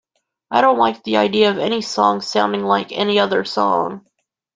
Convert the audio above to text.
I don't like the idea of any song sounding like any other song.